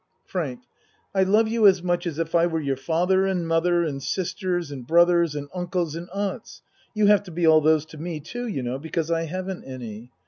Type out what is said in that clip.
FRANK I love you as much as if I were your father and mother and sisters and brothers and uncles and aunts. You have to be all those to me, too, you know, because I haven't any.